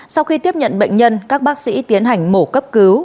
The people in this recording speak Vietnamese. sau khi tiếp nhận bệnh nhân các bác sĩ tiến hành mổ cấp cứu